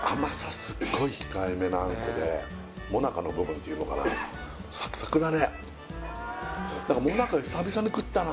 すっごい控えめなあんこで最中の部分っていうのかなサクサクだね